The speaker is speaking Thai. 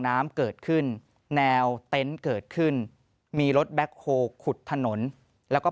น้ำเกิดขึ้นแนวเต็นต์เกิดขึ้นมีรถแบ็คโฮลขุดถนนแล้วก็